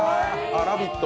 ラヴィット！